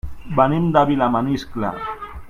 Venim de Vilamaniscle.